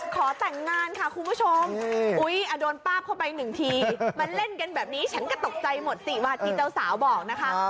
ขอแต่งงานค่ะคุณผู้ชมโดนป้าบเข้าไปหนึ่งทีมาเล่นกันแบบนี้ฉันก็ตกใจหมดสิวาที่เจ้าสาวบอกนะคะ